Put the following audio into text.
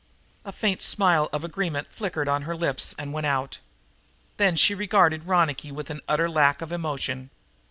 A faint smile of agreement flickered on her lips and went out. Then she regarded Ronicky, with an utter lack of emotion.